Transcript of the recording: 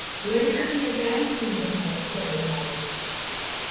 Later he abandoned the military life.